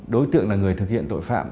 đối tượng là người thực hiện tội phạm